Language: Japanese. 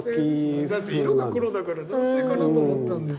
だって色が黒だから男性かなと思ったんです。